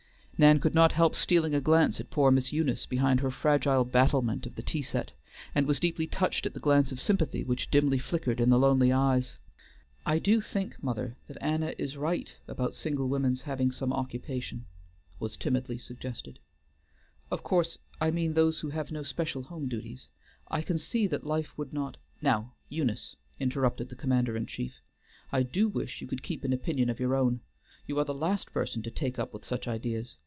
Nan could not help stealing a glance at poor Miss Eunice, behind her fragile battlement of the tea set, and was deeply touched at the glance of sympathy which dimly flickered in the lonely eyes. "I do think, mother, that Anna is right about single women's having some occupation," was timidly suggested. "Of course, I mean those who have no special home duties; I can see that life would not" "Now Eunice," interrupted the commander in chief, "I do wish you could keep an opinion of your own. You are the last person to take up with such ideas.